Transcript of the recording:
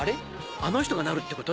あの人がなるってこと？